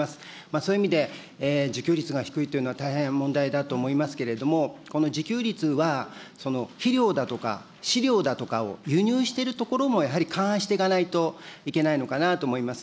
そういう意味で、受給率が低いというのは大変問題だと思いますけれども、この自給率は、肥料だとか、飼料だとかを輸入しているところもやはり勘案していかないといけないのかなと思います。